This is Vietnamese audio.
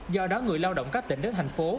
do đó người lao động các tỉnh đến thành phố